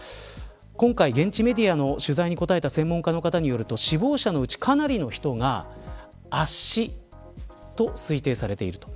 今回、現地メディアの取材に答えた専門家の方によると死亡者のうち、かなりの数が圧死と推定されています。